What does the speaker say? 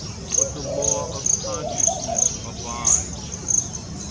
But the law of consciousness abides.